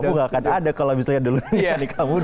kamu nggak akan ada kalau misalnya dulu menikah muda